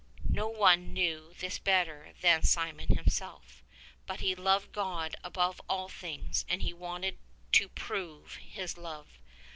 No one knew this better than Simeon himself, but he loved God above all things and he wanted to prove his love.